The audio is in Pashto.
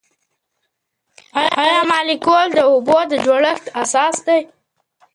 آیا مالیکول د اوبو د جوړښت اساس دی؟